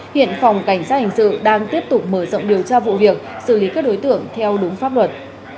hiện phòng cảnh sát hình sự đang tiếp tục mở rộng điều tra vụ việc xử lý các đối tượng theo đúng pháp luật